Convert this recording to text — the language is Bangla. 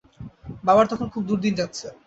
বাবার তখন খুব দুর্দিন যাচ্ছে।